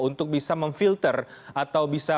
untuk bisa memfilter atau bisa